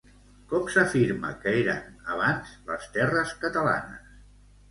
Com s'afirma que eren, abans, les terres catalanes?